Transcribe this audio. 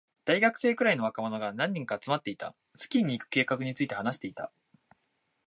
大学生くらいの若者が何人か集まっていた。スキーに行く計画について話していた。